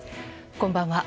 こんばんは。